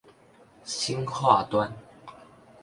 新化端